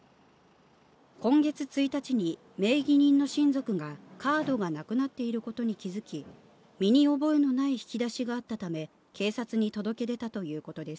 今月１日に名義人の親族がカードがなくなっていることに気付き、身に覚えのない引き出しがあったため、警察に届け出たということです。